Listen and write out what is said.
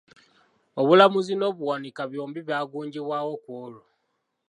Obulamuzi n'Obuwanika byombi byagunjibwawo ku olwo.